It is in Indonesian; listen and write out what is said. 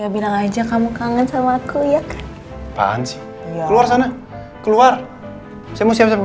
bilang aja kamu kangen sama aku ya pak an sih keluar sana keluar saya mau siapkan